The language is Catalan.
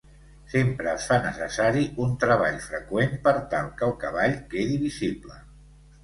Sempre es fa necessari un treball freqüent per tal que el cavall quedi visible.